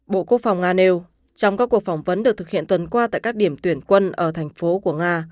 bộ quốc phòng nga nêu trong các cuộc phỏng vấn được thực hiện tuần qua tại các điểm tuyển quân ở thành phố của nga